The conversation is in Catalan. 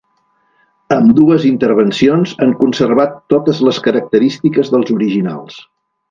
Ambdues intervencions han conservat totes les característiques dels originals.